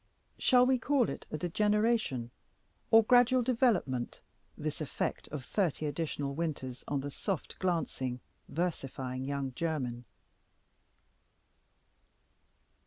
Shall we call it degeneration or gradual development this effect of thirty additional winters on the soft glancing, versifying young Jermyn?